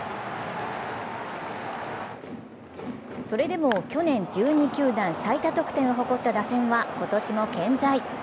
それでも去年１２球団最多得点を誇った打線は今年も健在。